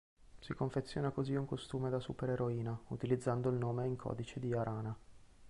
Si confeziona così un costume da supereroina, utilizzando il nome in codice di Arana.